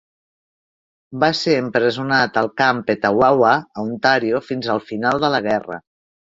Va ser empresonat al camp Petawawa a Ontàrio fins al final de la guerra.